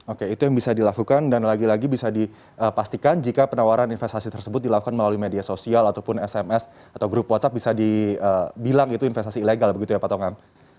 oke itu yang bisa dilakukan dan lagi lagi bisa dipastikan jika penawaran investasi tersebut dilakukan melalui media sosial ataupun sms atau grup whatsapp bisa dibilang itu investasi ilegal begitu ya pak tongam